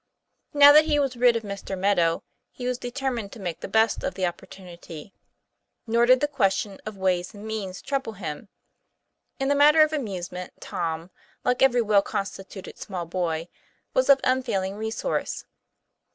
Now that he was rid of Mr. Meadow, he was deter mined to make the best of the opportunity. Nor did the question of ways and means trouble him. In the matter of amusement Tom, like every well consti tuted small boy, was of unfailing resource.